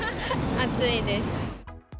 暑いです。